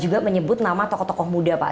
juga menyebut nama tokoh tokoh muda pak